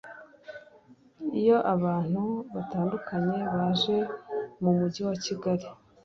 Iyo abantu batandukanye baje mu Mujyi wa Kigali